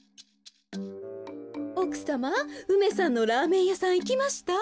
おくさま梅さんのラーメンやさんいきました？